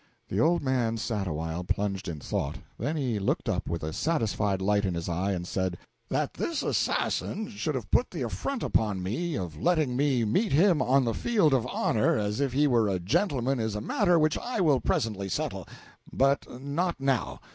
The old man sat awhile plunged in thought; then he looked up with a satisfied light in his eye, and said: "That this assassin should have put the affront upon me of letting me meet him on the field of honor as if he were a gentleman is a matter which I will presently settle but not now.